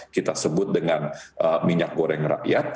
kita sebut dengan minyak goreng rakyat